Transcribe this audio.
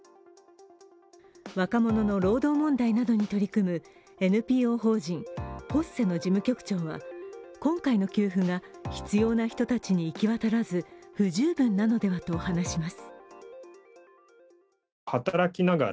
若者の労働問題などに取り組むＮＰＯ法人、ＰＯＳＳＥの事務局長は今回の給付が必要な人たちに行き渡らず不十分なのではと話します。